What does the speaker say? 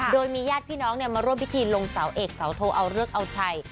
โดยมีญาติพี่น้องมาร่วมพิธีลงเสาเอกเสาโทเอาเลิกเอาชัย